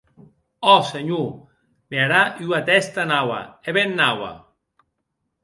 Òc, senhor, me harà ua tèsta naua, e ben naua!